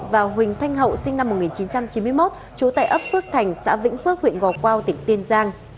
và huỳnh thanh hậu sinh năm một nghìn chín trăm chín mươi một trú tại ấp phước thành xã vĩnh phước huyện gò quao tỉnh tiên giang